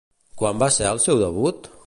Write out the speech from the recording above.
Quan va ser el seu debut?